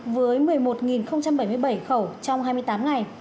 với một mươi một bảy mươi bảy khẩu trong hai mươi tám ngày